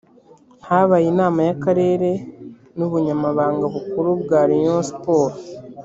habaye inama y akarere n ubunyamabanga bukuru bwa rayon siporo